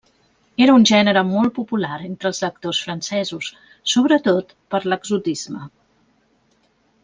Era un gènere molt popular entre els lectors francesos, sobretot per l'exotisme.